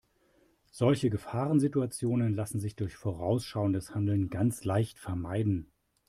Solche Gefahrensituationen lassen sich durch vorausschauendes Handeln ganz leicht vermeiden.